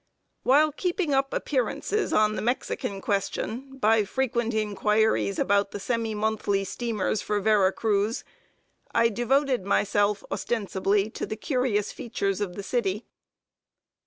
While keeping up appearances on the Mexican question, by frequent inquiries about the semi monthly steamers for Vera Cruz, I devoted myself ostensibly to the curious features of the city.